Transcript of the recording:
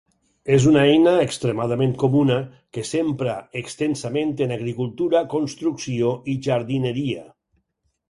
És una eina extremadament comuna que s'empra extensament en agricultura, construcció i jardineria.